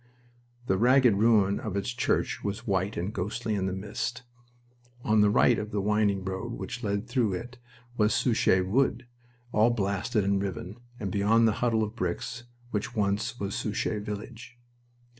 The ragged ruin of its church was white and ghostly in the mist. On the right of the winding road which led through it was Souchez Wood, all blasted and riven, and beyond a huddle of bricks which once was Souchez village.